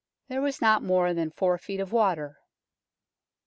There was not more than four feet of water.